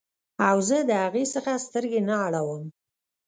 او زه د هغې څخه سترګې نه اړوم